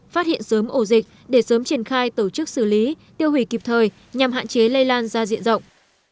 phát hiện sớm ổ dịch để sớm triển khai tổ chức xử lý tiêu hủy kịp thời nhằm hạn chế lây lan ra diện rộng